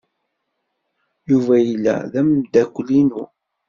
Yuba yella d ameddakel-inu.